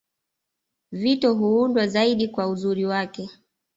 Vito huundwa zaidi kwa uzuri wake